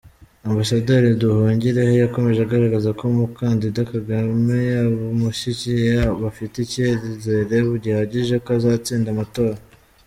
Ambasaderi Nduhungirehe yakomeje agaragaza ko umukandida Kagame abamushyigikiye bafite icyizere gihagije ko azatsinda amatora.